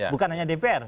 bukan hanya dpr